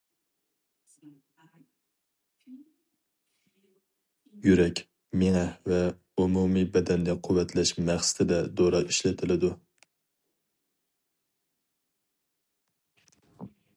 يۈرەك، مېڭە ۋە ئومۇمىي بەدەننى قۇۋۋەتلەش مەقسىتىدە دورا ئىشلىتىلىدۇ.